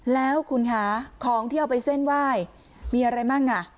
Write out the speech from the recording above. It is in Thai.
แล้วคุณคะของที่เอาไปเส้นไหว้มีอะไรมั่งอ่ะ